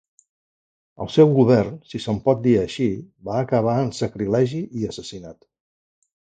El seu govern, si se'n pot dir així, va acabar en sacrilegi i assassinat.